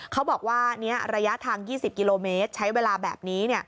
เขาบอกว่าระยะทาง๒๐กิโลเมตรใช้เวลาแบบนี้